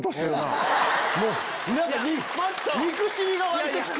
何か憎しみが湧いて来て。